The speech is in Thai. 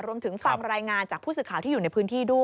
รวมถึงฟังรายงานจากผู้ศึกข่าวที่อยู่ในพื้นที่ด้วย